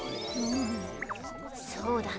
そうだね。